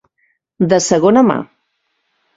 De segona mà.